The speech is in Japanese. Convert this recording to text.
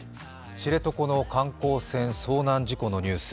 知床の観光船、遭難事故のニュース